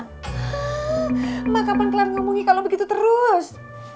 hah maka kapan kelar ngomongi kalau begitu terus